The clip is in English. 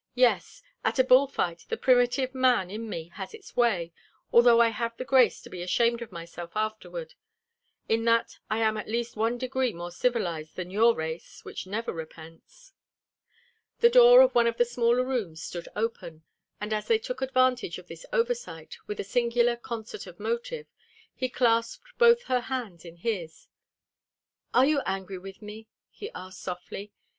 Yes, at a bull fight the primitive man in me has its way, although I have the grace to be ashamed of myself afterward. In that I am at least one degree more civilized than your race, which never repents." The door of one of the smaller rooms stood open, and as they took advantage of this oversight with a singular concert of motive, he clasped both her hands in his. "Are you angry with me?" he asked softly.